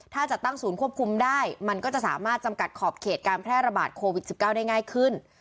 ถ้าจะตั้งศูนย์ควบคุมได้มันก็จะสามารถจำกัดขอบเขตการแพร่ระบาดโควิด๑๙ได้ง่ายขึ้น